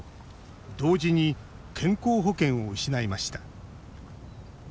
同時に健康保険を失いました。